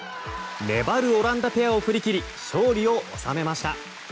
粘るオランダペアを振り切り勝利を収めました。